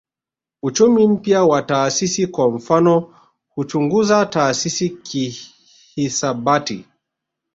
Uchumi mpya wa taasisi kwa mfano huchunguza taasisi kihisabati